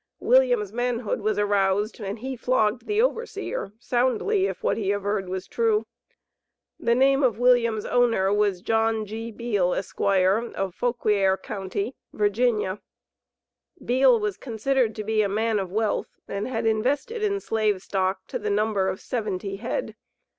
William's manhood was aroused, and he flogged the overseer soundly, if what he averred was true. The name of William's owner was John G. Beale, Esq., of Fauquier county, Va. Beale was considered to be a man of wealth, and had invested in Slave stock to the number of seventy head.